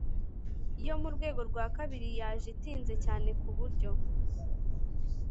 yo mu rwego rwa kabiri yaje itinze cyane ku buryo